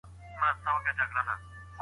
خلک له مودې اندېښنه لري.